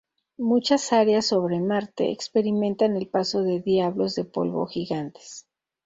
Muchas áreas sobre Marte experimentan el paso de diablos de polvo gigantes.